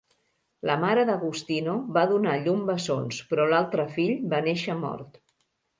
La mare d'Augustino va donar a llum bessons, però l'altre fill va néixer mort.